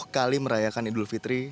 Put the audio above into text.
tiga puluh kali merayakan idul fitri